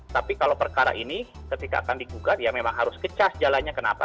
tapi kalau perkara ini ketika akan dikukar ya memang harus ke cas jalannya kenapa